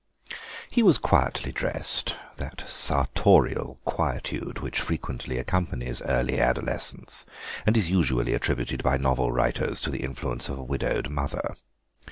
He was quietly dressed—that sartorial quietude which frequently accompanies early adolescence, and is usually attributed by novel writers to the influence of a widowed mother.